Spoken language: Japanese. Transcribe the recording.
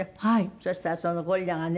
そしたらそのゴリラがね